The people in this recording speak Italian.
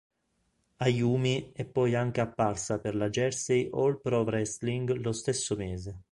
Ayumi è poi anche apparsa per la Jersey All Pro Wrestling lo stesso mese.